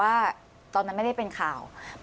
อันดับที่สุดท้าย